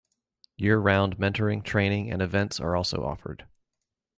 Year-round mentoring, training and events are also offered.